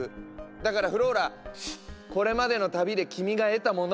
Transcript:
だからフローラこれまでの旅で君が得たもの。